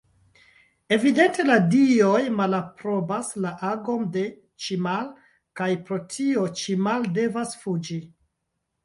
Evidente, la dioj malaprobas la agon de Ĉimal, kaj pro tio Ĉimal devas fuĝi.